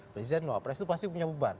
presiden noah press itu pasti punya beban